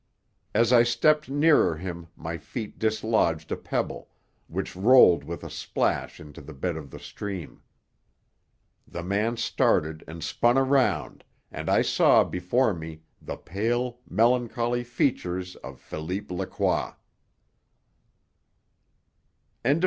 As I stepped nearer him my feet dislodged a pebble, which rolled with a splash into the bed of the stream. The man started and spun around, and I saw before me the pale, melancholy features of Philippe Lacroix.